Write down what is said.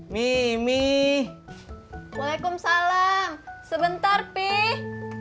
mimi waalaikumsalam sebentar pih